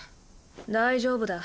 大丈夫だ。